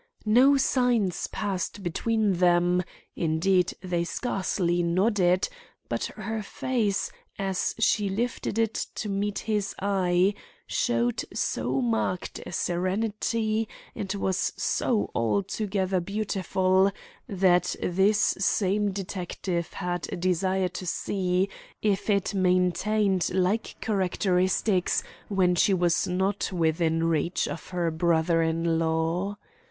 No signs passed between them; indeed, they scarcely nodded; but her face, as she lifted it to meet his eye, showed so marked a serenity and was so altogether beautiful that this same detective had a desire to see if it maintained like characteristics when she was not within reach of her brother in law.